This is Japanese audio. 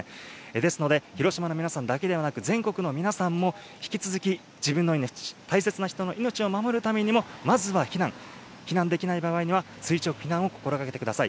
ですので、広島の皆さんだけでなく、全国の皆さんも引き続き自分の命、大切な人の命を守るためにもまずは避難、避難できない場合には垂直避難を心がけてください。